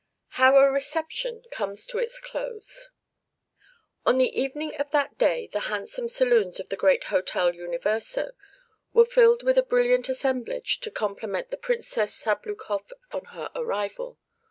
HOW A "RECEPTION" COMES TO ITS CLOSE On the evening of that day the handsome saloons of the great Hôtel "Universo" were filled with a brilliant assemblage to compliment the Princess Sabloukoff on her arrival.